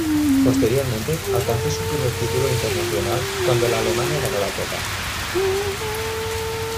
Posteriormente alcanzó su primer título internacional cuando la Alemania ganó la copa.